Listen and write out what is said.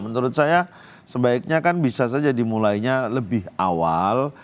menurut saya sebaiknya kan bisa saja dimulainya lebih awal